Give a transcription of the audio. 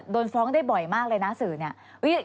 โดนฟ้องได้บ่อยมากเลยนะสื่อเนี่ย